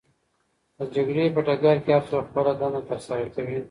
د جګړې په ډګر کې هرڅوک خپله دنده ترسره کوي.